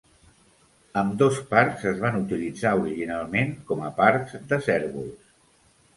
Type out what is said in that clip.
Ambdós parcs es van utilitzar originalment com a parcs de cérvols.